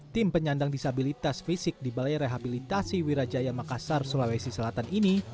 tim penyandang disabilitas fisik di balai rehabilitasi wirajaya makassar sulawesi selatan ini